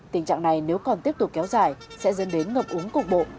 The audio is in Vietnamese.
tình trạng này nếu còn tiếp tục kéo dài sẽ dẫn đến ngập uống cục bộ